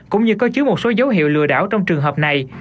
cũng như có chứa một số dấu hiệu lừa đảo trong trường hợp này